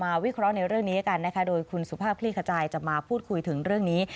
วิเคราะห์ในเรื่องนี้กันนะคะโดยคุณสุภาพคลี่ขจายจะมาพูดคุยถึงเรื่องนี้